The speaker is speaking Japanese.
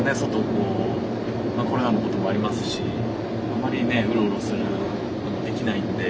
こうまあコロナのこともありますしあまりねうろうろすることできないんで。